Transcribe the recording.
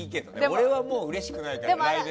俺はもううれしくないから。